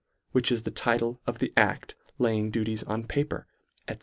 which is the title of the act laying duties on paper, &c.